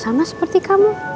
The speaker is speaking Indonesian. sama seperti kamu